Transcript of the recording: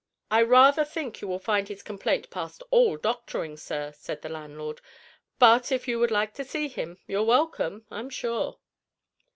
"I rather think you will find his complaint past all doctoring, sir," said the landlord; "but, if you would like to see him, you're welcome, I'm sure."